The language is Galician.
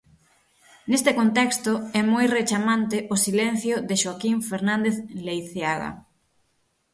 Neste contexto é moi rechamante o silencio de Xoaquín Fernández Leiceaga.